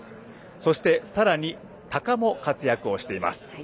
そしてさらにタカも活躍しています。